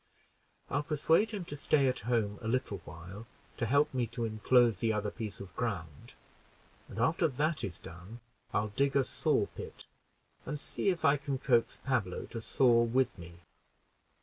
I'll persuade him to stay at home a little while to help me to inclose the other piece of ground; and, after that is done, I'll dig a saw pit, and see if I can coax Pablo to saw with me.